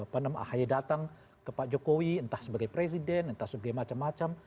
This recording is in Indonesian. penem ahy datang ke pak jokowi entah sebagai presiden entah sebagai macam macam